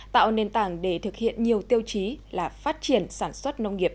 tạo nền tảng để thực hiện nhiều tiêu chí là phát triển sản xuất nông nghiệp